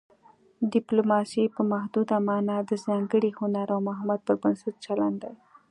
ډیپلوماسي په محدوده مانا د ځانګړي هنر او مهارت پر بنسټ چلند دی